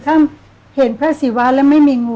ถ้าเห็นพระศีวาแล้วไม่มีกินม